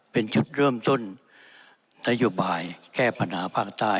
เป็นจุดเริ่มต้นนโยบายแก้ปัญหาภาคใต้